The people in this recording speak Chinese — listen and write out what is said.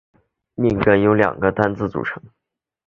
命根两个单字组成。